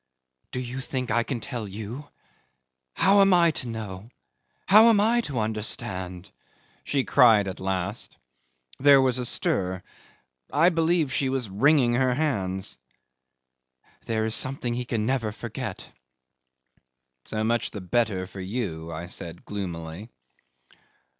'"Do you think I can tell you? How am I to know? How am I to understand?" she cried at last. There was a stir. I believe she was wringing her hands. "There is something he can never forget." '"So much the better for you," I said gloomily.